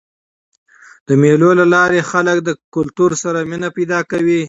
د مېلو له لاري خلک له خپل کلتور سره مینه پیدا کوي.